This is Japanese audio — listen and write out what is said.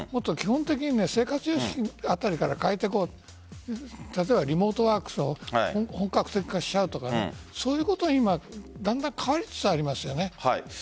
基本的に生活様式あたりから変えていこう例えばリモートワーク本格化しちゃうとかそういうことを今だんだん変わりつつありますよね。